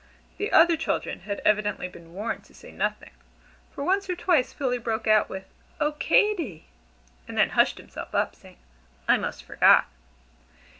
The other children had evidently been warned to say nothing; for once or twice Philly broke out with, "Oh, Katy!" and then hushed himself up, saying, "I 'most forgot!"